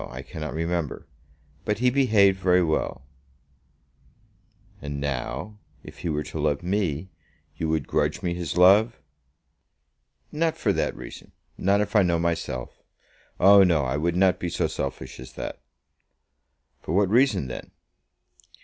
I cannot remember. But he behaved very well." "And now, if he were to love me, you would grudge me his love?" "Not for that reason, not if I know myself. Oh no! I would not be so selfish as that." "For what reason then?"